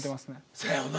せやろな。